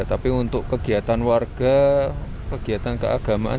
tapi untuk kegiatan warga kegiatan keagamaan